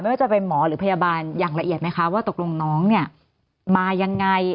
ไม่ว่าจะเป็นหมอหรือพยาบาลอย่างละเอียดไหมคะว่าตกลงน้องเนี่ยมายังไง